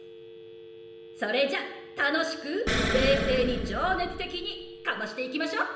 それじゃ楽しく冷静に情熱的にかましていきましょう！